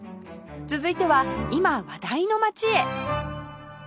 続いては今話題の街へ